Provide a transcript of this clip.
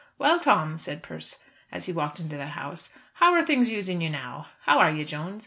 "Well, Tom," said Persse, as he walked into the house, "how are things using you now? How are you, Jones?